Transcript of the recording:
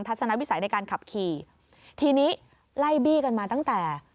สนวิสัยในการขับขี่ทีนี้ไล่บี้กันมาตั้งแต่